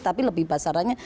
tapi lebih besarannya